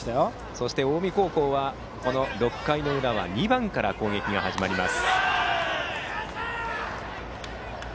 そして近江高校はこの６回の裏は２番から攻撃が始まります。